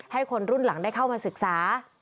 ให้คนรุ่นหลังได้เข้ามาศึกษา